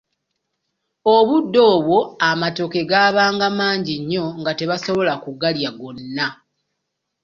Obudde obwo amatooke gaabanga mangi nnyo nga tebasobola kugalya gonna.